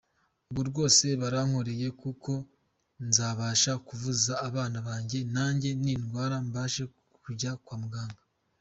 Ubu rwose barankoreye kuko nzabasha kuvuza abana banjye najye nindwara mbashe kujya kwa muganga.